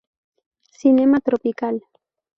Cinema Tropical.